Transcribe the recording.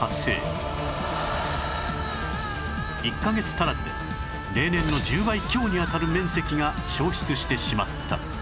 １カ月足らずで例年の１０倍強に当たる面積が消失してしまった